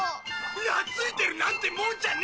懐いてるなんてもんじゃねえ！